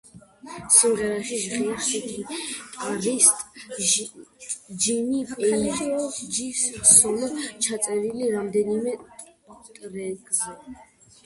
სიმღერაში ჟღერს გიტარისტ ჯიმი პეიჯის სოლო, ჩაწერილი რამდენიმე ტრეკზე.